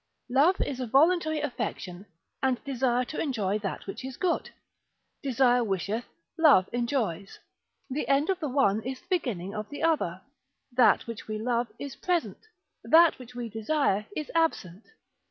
Love is a voluntary affection, and desire to enjoy that which is good. Desire wisheth, love enjoys; the end of the one is the beginning of the other; that which we love is present; that which we desire is absent.